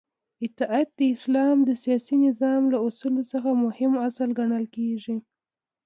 اطاعت د اسلام د سیاسی نظام له اصولو څخه مهم اصل ګڼل کیږی